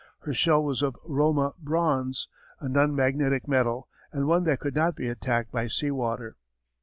Her shell was of "Roma" bronze, a non magnetic metal, and one that could not be attacked by sea water.